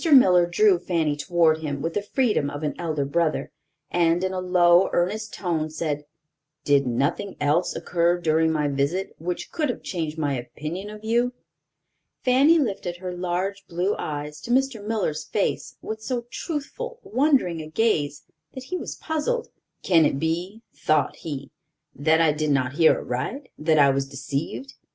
Miller drew Fanny toward him with the freedom of an elder brother, and, in a low, earnest tone, said: "Did nothing else occur during my visit, which could have changed my opinion of you?" Fanny lifted her large blue eyes to Mr. Miller's face with so truthful, wondering a gaze that he was puzzled. "Can it be," thought he, "that I did not hear aright, that I was deceived?